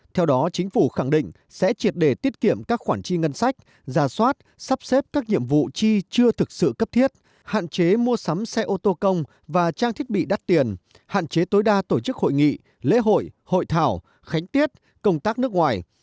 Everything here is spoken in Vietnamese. theo đó chính phủ khẳng định sẽ triệt để tiết kiệm các khoản chi ngân sách giả soát sắp xếp các nhiệm vụ chi chưa thực sự cấp thiết hạn chế mua sắm xe ô tô công và trang thiết bị đắt tiền hạn chế tối đa tổ chức hội nghị lễ hội hội thảo khánh tiết công tác nước ngoài